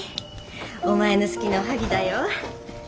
お前の好きなおはぎだよ。